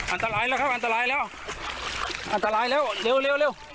อันตรายแล้วครับอันตรายแล้วอันตรายแล้วเร็วเร็ว